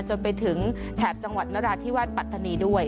จนไปถึงแถบจังหวัดนราธิวาสปัตตานีด้วย